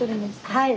はい。